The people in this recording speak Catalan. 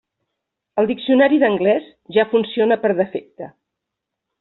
El diccionari d'anglès ja funciona per defecte.